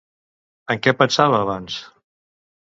En què pensava abans?